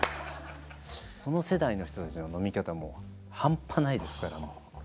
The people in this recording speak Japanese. この世代の人たちの飲み方もうハンパないですから。